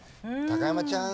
高山ちゃん